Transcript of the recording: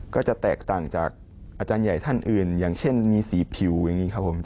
ก็จะแตกต่างจากอาจารย์ใหญ่ท่านอื่นอย่างเช่นมีสีผิวอย่างนี้ครับผม